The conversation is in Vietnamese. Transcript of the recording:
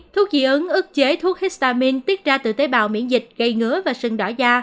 thuốc dị ứng ức chế thuốc histamin tiết ra từ tế bào miễn dịch gây ngứa và sưng đỏ da